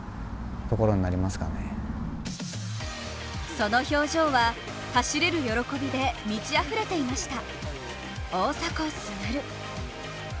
その表情は、走れる喜びで満ちあふれていました、大迫傑。